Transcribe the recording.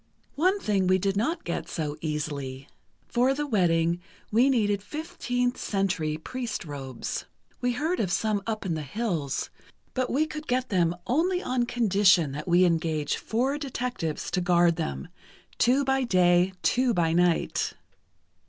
"One thing we did not get so easily: For the wedding, we needed 15th Century priest robes. We heard of some up in the hills, but we could get them only on condition that we engage four detectives to guard them, two by day, two by night.